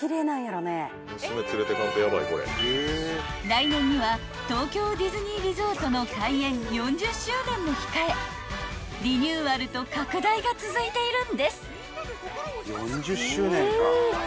［来年には東京ディズニーリゾートの開園４０周年も控えリニューアルと拡大が続いているんです］